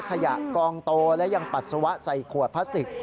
กองโตและยังปัสสาวะใส่ขวดพลาสติก